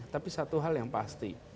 tapi satu hal yang pasti